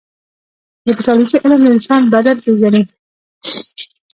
د پیتالوژي علم د انسان بدن پېژني.